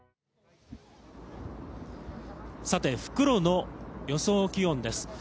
さて、復路の予想気温です。